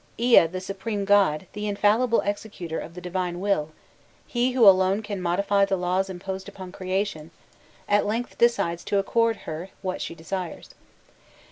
Ea, the supreme god, the infallible executor of the divine will he who alone can modify the laws imposed upon creation at length decides to accord to her what she desires.